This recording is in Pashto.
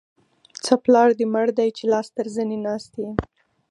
څه پلار دې مړ دی؛ چې لاس تر زنې ناست يې.